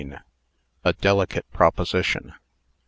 A DELICATE PROPOSITION.